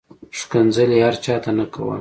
ښکنځل یې هر چاته نه کول.